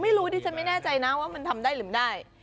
ไม่รู้ดิฉันไม่แน่ใจนะว่ามันทำได้หรือไม่ได้